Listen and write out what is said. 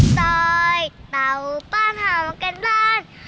ต่อยเต่าบ้านห่วงกันบ้าน